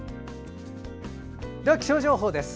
では気象情報です。